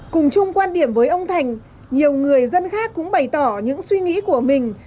cùng chung quan điểm với ông thành nhiều người dân khác cũng bày tỏ những suy nghĩ của mình